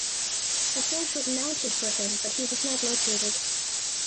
A search was mounted for him but he was not located.